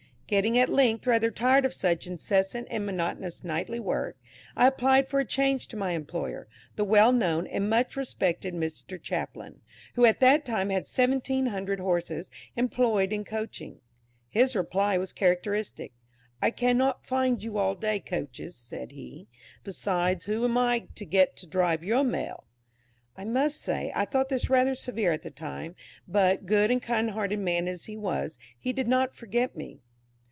Getting at length rather tired of such incessant and monotonous nightly work, I applied for a change to my employer, the well known and much respected Mr. Chaplin, who at that time had seventeen hundred horses employed in coaching. His reply was characteristic. "I cannot find you all day coaches," said he; "besides, who am I to get to drive your Mail?" I must say, I thought this rather severe at the time, but, good and kind hearted man as he was, he did not forget me.